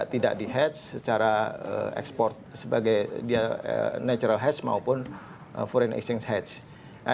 tidak di hedge secara eksport sebagai natural hedge maupun foreign exchange hedge